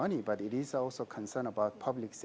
tetapi juga masalah keamanan publik